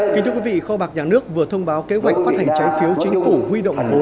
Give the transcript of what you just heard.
kính thưa quý vị kho bạc nhà nước vừa thông báo kế hoạch phát hành trái phiếu chính phủ huy động